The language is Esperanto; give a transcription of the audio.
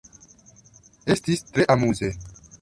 Estis tre amuze!